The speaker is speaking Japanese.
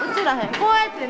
こうやってな。